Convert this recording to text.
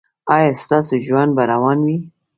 ایا ستاسو ژوند به روان وي؟